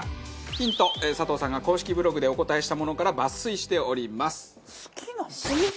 ヒント佐藤さんが公式ブログでお答えしたものから抜粋しております。